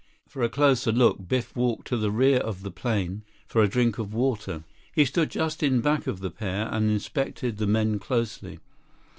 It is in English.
For a closer look, Biff walked to the rear of the plane for a drink of water. He stood just in back of the pair and inspected the men closely.